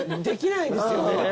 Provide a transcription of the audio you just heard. できないですよね。